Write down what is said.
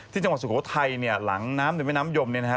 จังหวัดสุโขทัยเนี่ยหลังน้ำในแม่น้ำยมเนี่ยนะครับ